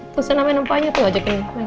tuh saya namain empahnya tuh ajakin